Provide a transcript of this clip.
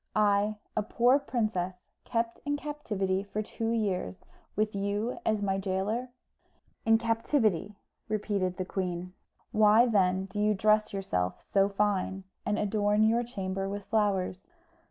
I, a poor princess, kept in captivity for two years, with you as my gaoler?" "In captivity," repeated the queen. "Why, then, do you dress yourself so fine, and adorn your chamber with flowers?"